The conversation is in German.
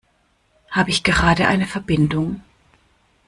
Habe ich gerade eine Verbindung?